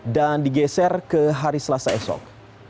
dan digeser ke hari selasa esok